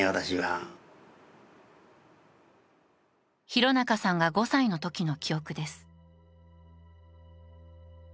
廣中さんが５歳のときの記憶です。